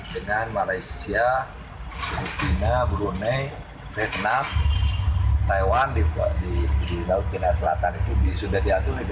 dengan malaysia filipina brunei vietnam taiwan di laut china selatan itu sudah diatur